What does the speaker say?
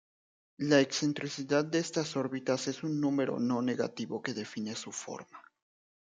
La excentricidad de estas órbitas es un número no negativo que define su forma.